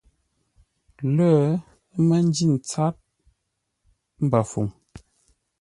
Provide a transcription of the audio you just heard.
Lə̂, ə́ mə́ ńjí ntsát mbəfəuŋ.